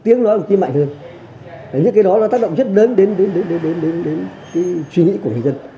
tiếng nói ông chí mạnh hơn những cái đó nó tác động rất lớn đến suy nghĩ của người dân